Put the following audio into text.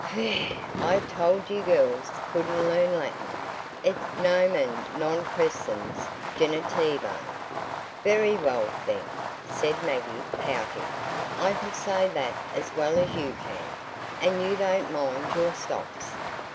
"Phee e e h! I told you girls couldn't learn Latin. It's Nomen non crescens genitivo." "Very well, then," said Maggie, pouting. "I can say that as well as you can. And you don't mind your stops.